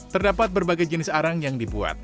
terdapat berbagai jenis arang yang dibuat